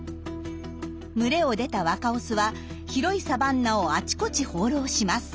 群れを出た若オスは広いサバンナをあちこち放浪します。